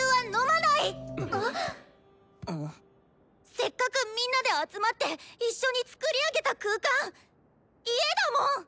せっかくみんなで集まって一緒に作り上げた空間家だもん！